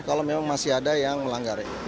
kalau memang masih ada yang melanggar